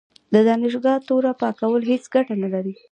د دانشګاه توره پاکول هیڅ ګټه نه لري.